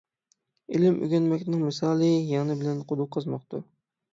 ئىلىم ئۆگەنمەكنىڭ مىسالى يىڭنە بىلەن قۇدۇق قازماقتۇر.